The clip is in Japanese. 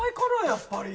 やっぱり。